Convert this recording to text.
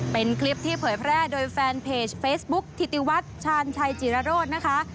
เป็นคลิปที่เผยแพร่โดยแฟนเพจเฟซบุ๊คธิติวัฒน์ชาญชัยจิรโรธนะคะ